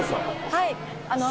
はい。